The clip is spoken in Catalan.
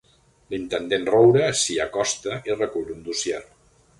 L'intendent Roure s'hi acosta i recull un dossier.